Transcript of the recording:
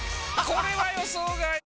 これは予想外！